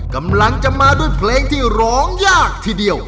กำลังจะมาด้วยเพลงที่ร้องยากทีเดียว